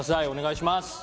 お願いします。